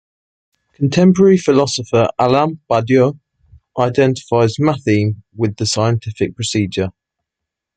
Contemporary philosopher Alain Badiou identifies "matheme" with the scientific procedure.